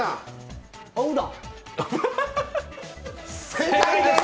正解です！